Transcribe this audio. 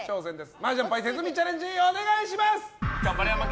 麻雀牌手積みチャレンジお願いします！